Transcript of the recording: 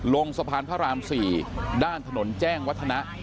ลงสะพานพระราม๔ด้านถนนแจ้งวัฒนะ